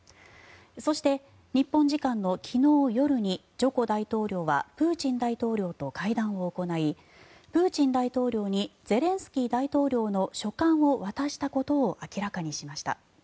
そして、日本時間の昨日夜にジョコ大統領はプーチン大統領と会談を行いプーチン大統領にゼレンスキー大統領の書簡を渡したことを明らかにしました。